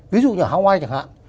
ví dụ như ở hawaii chẳng hạn